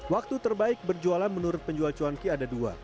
waktu terbaik berjualan menurut penjual cuanki ada dua